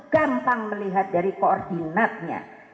gampang melihat dari koordinatnya